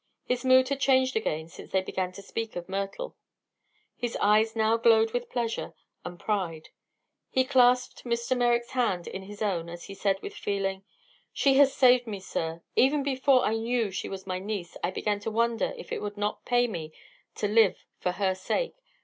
His mood had changed again since they began to speak of Myrtle. His eyes now glowed with pleasure and pride. He clasped Mr. Merrick's hand in his own as he said with feeling: "She has saved me, sir. Even before I knew she was my niece I began to wonder if it would not pay me to live for her sake.